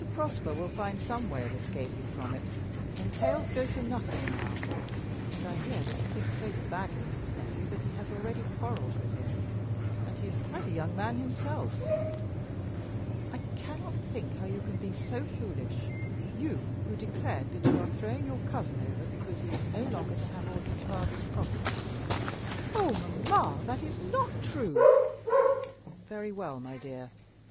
Prosper will find some way of escaping from it. Entails go for nothing now; and I hear that he thinks so badly of his nephew that he has already quarrelled with him. And he is quite a young man himself. I cannot think how you can be so foolish, you, who declared that you are throwing your cousin over because he is no longer to have all his father's property." "Oh, mamma, that is not true." "Very well, my dear."